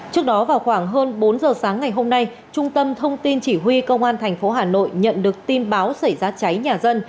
trước đó vào khoảng hơn bốn giờ sáng ngày hôm nay trung tâm thông tin chỉ huy công an tp hà nội nhận được tin báo xảy ra cháy nhà dân